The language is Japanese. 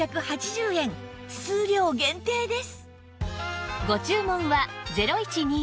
数量限定です！